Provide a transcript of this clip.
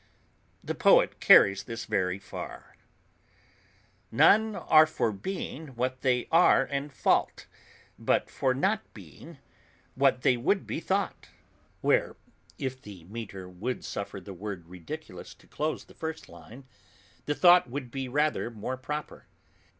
The poet carries this very far; None are for being what they are in fault, But for not being what they would be thought. Where if the metre would suffer the word Ridiculous to close the first line, the thought would be rather more proper.